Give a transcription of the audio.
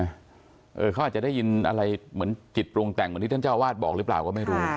เขาอาจจะได้ยินอะไรเหมือนจิตปรุงแต่งเหมือนที่ท่านเจ้าวาดบอกหรือเปล่าก็ไม่รู้